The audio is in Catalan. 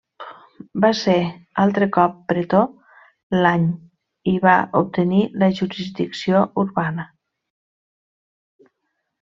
Va ser altre cop pretor l'any i va obtenir la jurisdicció urbana.